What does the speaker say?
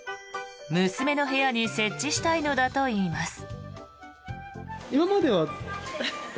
娘の部屋に設置したいのだといいます。